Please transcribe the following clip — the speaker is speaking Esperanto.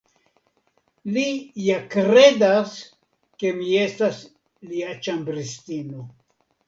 Li ja kredas ke mi estas lia ĉambristino.